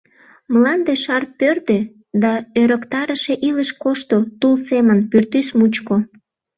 Мланде шар пӧрдӧ, да ӧрыктарыше илыш кошто тул семын пӱртӱс мучко.